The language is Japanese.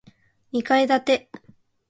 二階建て